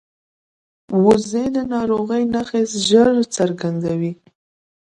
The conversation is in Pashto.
وزې د ناروغۍ نښې ژر څرګندوي